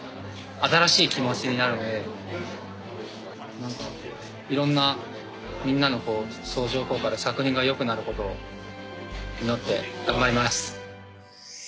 新しい気持ちになるのでいろんなみんなの相乗効果で作品が良くなることを祈って頑張ります。